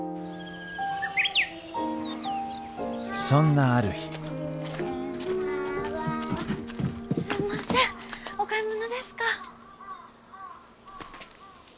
そんなある日あっすんませんお買い物ですか？